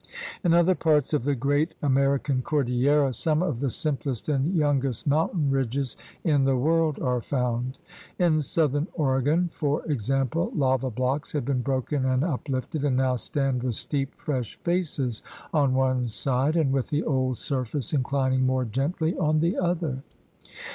In other parts of the great American cordillera some of the simplest and youngest mountain ridges in the world are found. In southern Oregon, for example, lava blocks have been broken and up lifted and now stand with steep fresh faces on one side and with the old surface inclining more gently on the other.